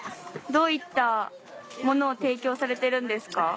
どういったものを提供されてるんですか？